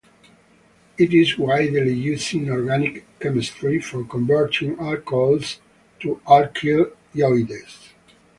It is widely used in organic chemistry for converting alcohols to alkyl iodides.